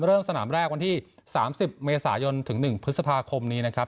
เริ่มสนามแรกวันที่๓๐เมษายนถึง๑พฤษภาคมนี้นะครับ